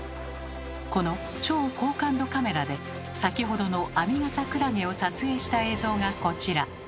この超高感度カメラで先ほどのアミガサクラゲを撮影した映像がこちら。